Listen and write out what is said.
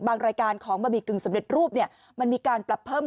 บางรายการของบะบีกึงสำเร็จรูปเนี้ยมันมีการปรับเพิ่ม